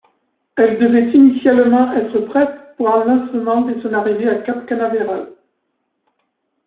Elle devait initialement être prête pour un lancement dès son arrivée à Cap Canaveral.